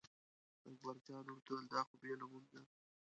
اکبرجان ورته وویل دا خو بې له مونږه.